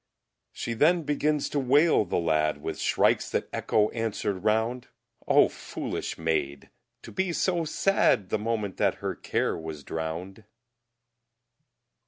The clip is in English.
She then beginnes to wayle the Ladde With Shrikes that Echo answered round O foolish Mayd! to be soe sadde The Momente that her Care was drownd!